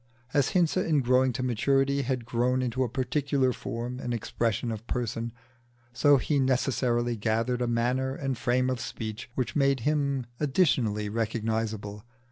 As Hinze in growing to maturity had grown into a particular form and expression of person, so he necessarily gathered a manner and frame of speech which made him additionally recognisable.